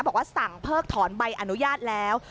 บอกว่าสั่งเพิกถอนใบอนุญาตแล้ว